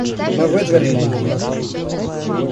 Мы выдворили ее.